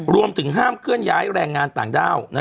รวมถึงห้ามเคลื่อนย้ายแรงงานต่างด้าว